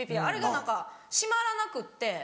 あれが何か閉まらなくって。